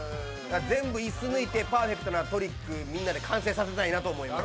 全部椅子抜いてパーフェクトなトリックをみんなで完成させたいなと思います。